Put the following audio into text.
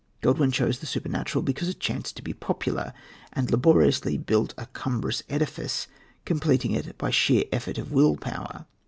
Godwin chose the supernatural, because it chanced to be popular, and laboriously built up a cumbrous edifice, completing it by a sheer effort of will power.